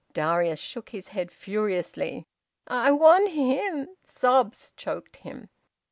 Darius shook his head furiously. "I want him " Sobs choked him.